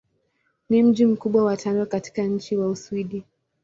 Ni mji mkubwa wa tano katika nchi wa Uswidi.